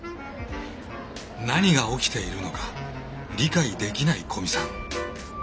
何が起きているのか理解できない古見さん。